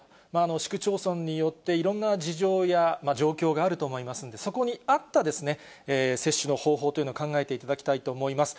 市区町村によって、いろんな事情や状況があると思いますので、そこに合った接種の方法というのを考えていただきたいと思います。